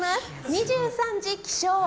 「＃２３時起床」。